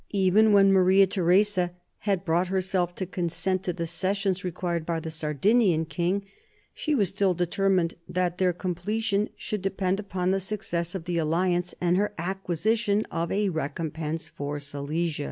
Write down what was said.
Even when Maria Theresa had brought herself to consent to the cessions required by the Sardinian king, she was still determined that their completion should depend upon the success of the alliance and her acquisition of a recompense for Silesia.